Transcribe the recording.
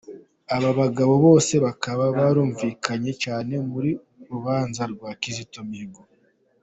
Aba bagabo Bose bakaba barumvikanye cyane mu rubanza rwa Kizito Mihigo!